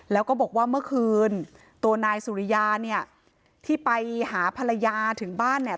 แล้วก็บอกว่าเมื่อคืนตัวนายสุริยาเนี่ยที่ไปหาภรรยาถึงบ้านเนี่ย